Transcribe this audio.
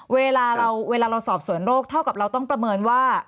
เวลาเราสอบสวนโรคเท่ากับเราต้องประเมินว่า